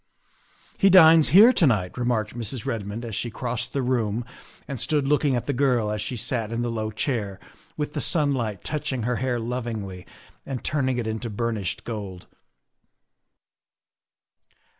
' He dines here to night," remarked Mrs. Redmond as she crossed the room and stood looking at the girl as she sat in the low chair with the sunlight touching her hair lovingly and turning it into burnished gold.